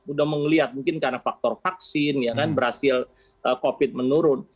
sudah melihat mungkin karena faktor vaksin berhasil covid menurun